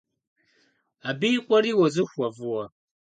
Абы и къуэри уоцӏыху уэ фӏыуэ.